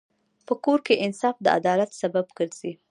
په کور کې انصاف د عدالت سبب ګرځي.